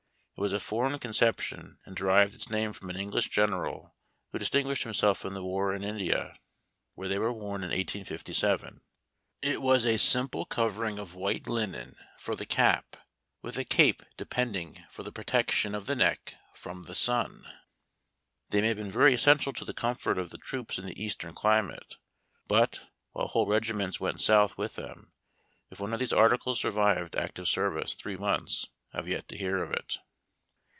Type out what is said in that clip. It was a foreign concep tion, and derived its name from an English general who distinguished himself in the war in India, where they were worn in 1857. It was a simple covering of white linen for the cap, with a cape depending for the protection of tlie neck from the sun. They may have been very essential to the comfort of the troops in the Eastern climate, but, while whole regiments went South with them, if one of these articles survived active service three montlis I have yet to hear of it.